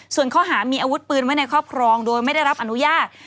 ส่วนข้อหามีอาวุธปืนไว้ในครอบครองโดยไม่ได้รับอนุญาต